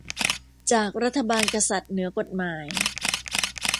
จากรัฐบาลกษัตริย์เหนือกฎหมาย